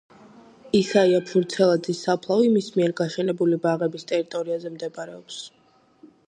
ისაია ფურცელაძის საფლავი მის მიერ გაშენებული ბაღების ტერიტორიაზე მდებარეობს.